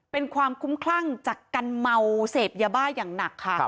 เป็นความคุ้มคลั่งจากการเมาเสพยาบ้าอย่างหนักค่ะ